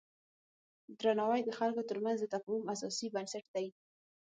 درناوی د خلکو ترمنځ د تفاهم اساسي بنسټ دی.